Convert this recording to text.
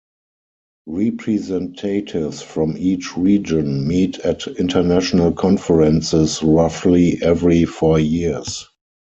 Representatives from each region meet at International Conferences roughly every four years.